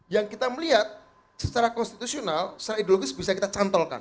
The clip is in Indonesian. yang kita melihat secara konstitusional secara ideologis bisa kita cantolkan